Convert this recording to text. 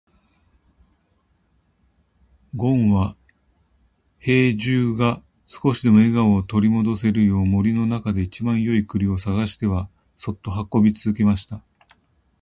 ごんは兵十が少しでも笑顔を取り戻せるよう、森の中で一番よい栗を探してはそっと運び続けました。